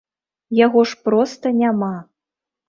Яго ж проста няма.